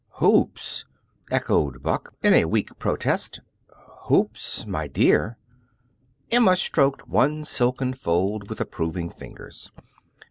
"Hoops!" echoed Buck, in weak protest. "Hoops, my DEAR!" Emma stroked one silken fold with approving fingers.